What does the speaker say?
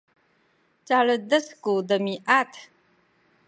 caledes ku demiad